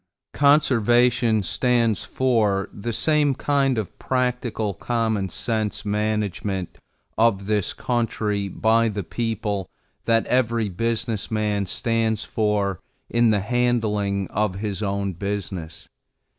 Conservation stands for the same kind of practical common sense management of this country by the people that every business man stands for in the handling of his own business.